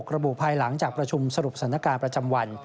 ระบุภายหลังจากประชุมสรุปสถานการณ์ประจำวัน